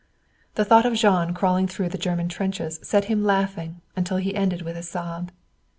The thought of Jean crawling through the German trenches set him laughing until he ended with a sob.